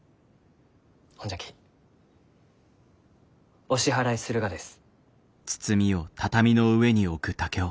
ほんじゃきお支払いするがです。